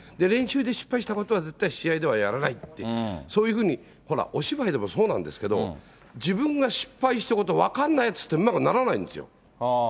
練習で失敗したことは、絶対試合ではやらないって、そういうふうに、お芝居でもそうなんですけど、自分が失敗したこと分かんないやつって、うまくならないんですよ。